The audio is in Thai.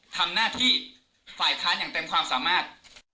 ทำหน้าที่ฝ่ายค้านอย่างเต็มความสามารถ